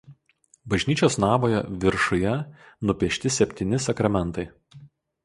Bažnyčios navoje viršuje nupiešti septyni sakramentai.